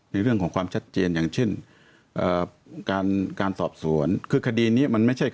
อยู่เรื่องของความชัดเจนอย่างเช่นการการสอบสวนคือคดีนี้